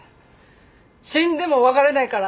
「死んでも別れないから」